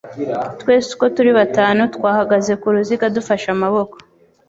Twese uko turi batanu twahagaze mu ruziga dufashe amaboko.